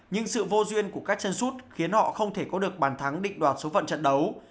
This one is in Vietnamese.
nhưng sự vô duyên của các chân sút khiến họ không thể có được bàn thắng định đoạt số phận trận đấu